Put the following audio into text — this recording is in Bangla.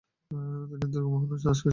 তিনি দুৰ্গামোহন দাশকে সাহায্য করেন।